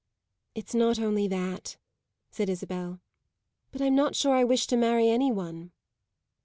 "It's not only that," said Isabel; "but I'm not sure I wish to marry any one."